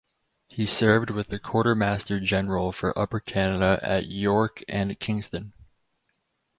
He served with the Quartermaster-General for Upper Canada at York and Kingston.